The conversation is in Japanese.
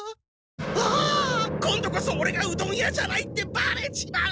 ああ今度こそオレがうどん屋じゃないってバレちまう！